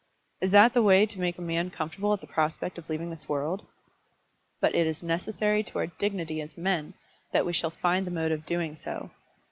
Is that the way to make a man comfortable at the prospect of leaving this world? But it is necessary to our dignity as men that we shall find the mode of doing so.